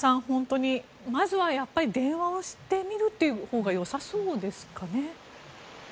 本当にまずはやっぱり電話をしてみるというほうがよさそうですかね。